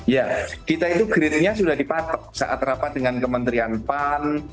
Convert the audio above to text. ya kita itu gridnya sudah dipatok saat rapat dengan kementerian pan